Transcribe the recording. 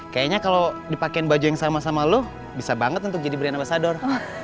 kayaknya kalau dipakaiin baju yang sama sama lo bisa banget untuk jadi brand ambasador